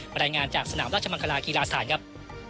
รายงานจากสนามราชมังคลากีฬาสถานครับ